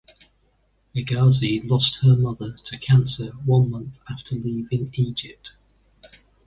Hegazi lost her mother to cancer one month after leaving Egypt.